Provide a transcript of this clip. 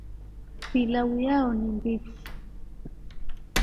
Pilau yao ni mbichi